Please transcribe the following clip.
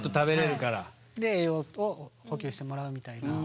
で栄養を補給してもらうみたいな。